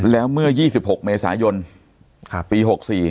แล้วเมื่อ๒๖เมษายนปี๖๔